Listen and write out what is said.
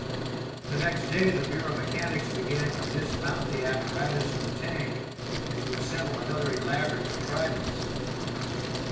The next day the Bureau mechanics began to dismount the apparatus from the tank and to assemble another elaborate contrivance.